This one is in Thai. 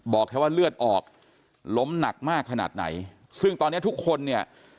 บอกแค่ว่าเลือดออกล้มหนักมากขนาดไหนซึ่งตอนเนี้ยทุกคนเนี่ย